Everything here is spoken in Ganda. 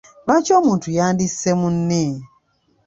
Lwaki omuntu yandisse munne?